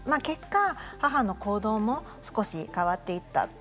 結果母の行動も少し変わっていった